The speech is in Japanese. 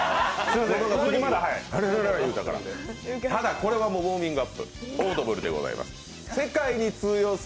ただ、これはウォーミングアップ、オードブルでございます。